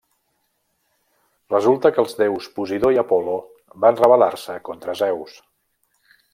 Resulta que els déus Posidó i Apol·lo van rebel·lar-se contra Zeus.